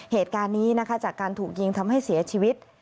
เหตุการณ์นี้นะคะจากการถูกยิงทำให้เสียชีวิต